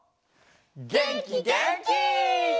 げんきげんき！